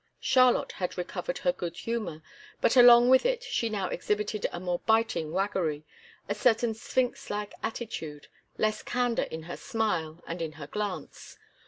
Charlotte had recovered her good humor, but along with it she now exhibited a more biting waggery, a certain sphinx like attitude, less candor in her smile and in her glance.